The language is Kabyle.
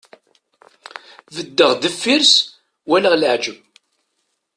Beddeɣ deffir-s, walaɣ leɛǧeb.